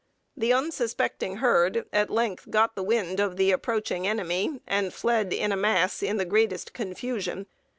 The unsuspecting herd at length 'got the wind' of the approaching enemy and fled in a mass in the greatest confusion.